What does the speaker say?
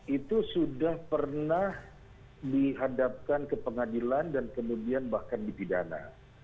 itu sudah pernah dihadapkan ke pengadilan dan kemudian bahkan dipidana